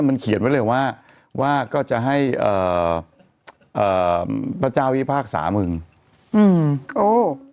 มันเขียนไว้เลยว่าว่าก็จะให้เอ่อเอ่อพระเจ้าวิพากษามึงอืมโอ้